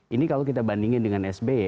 ini kalau kita bandingin dengan sby